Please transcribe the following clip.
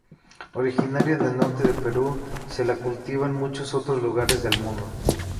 Originaria del norte del Perú, se la cultiva en muchos otros lugares del mundo.